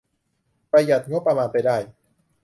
ประหยัดงบประมาณไปได้